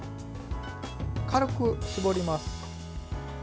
軽く絞ります。